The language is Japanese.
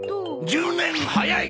１０年早い！！